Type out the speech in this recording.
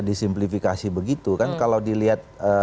disimplifikasi begitu kan kalau dilihat